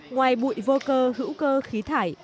ngoài bụi vô cơ hữu cơ khí thải